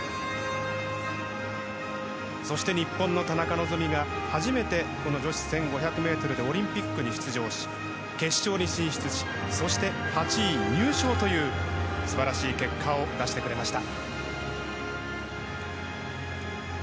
そして日本の田中希実が初めて女子１５００ｍでオリンピックに出場し決勝に進出し８位入賞という素晴らしい結果を出してくれました。